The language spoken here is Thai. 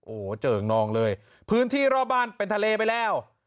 โอ้โหเจิ่งนองเลยพื้นที่รอบบ้านเป็นทะเลไปแล้ว